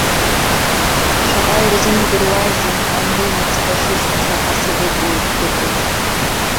Шаҟа ирзымдыруази анемец фашистцәа асовет уаҩ дзакәыз.